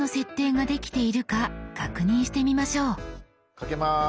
かけます。